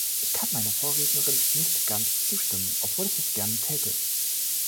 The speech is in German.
Ich kann meiner Vorrednerin nicht ganz zustimmen, obwohl ich es gerne täte.